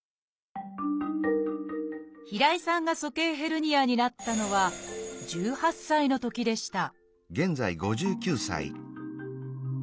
平井さんが鼠径ヘルニアになったのは１８歳のときでした